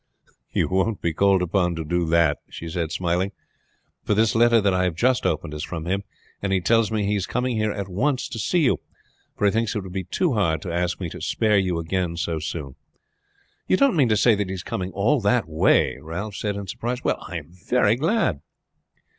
"You won't be called upon to do that," she said smiling; "for this letter that I have just opened is from him, and he tells me he is coming here at once to see you, for he thinks it would be too hard to ask me to spare you again so soon." "You don't mean to say that he is coming all that way?" Ralph said in surprise. "Well, I am very glad."